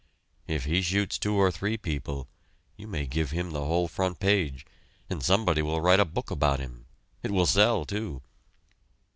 If he shoots two or three people, you may give him the whole front page, and somebody will write a book about him. It will sell, too.